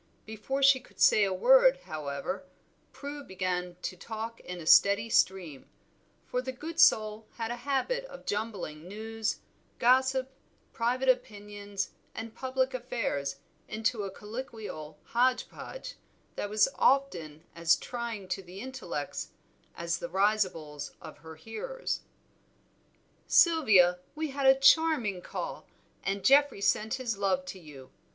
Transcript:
Before she could say a word, however, Prue began to talk in a steady stream, for the good soul had a habit of jumbling news, gossip, private opinions and public affairs into a colloquial hodge podge, that was often as trying to the intellects as the risibles of her hearers. "Sylvia, we had a charming call, and Geoffrey sent his love to you.